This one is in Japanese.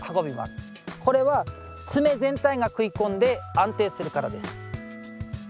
これは爪全体が食い込んで安定するからです。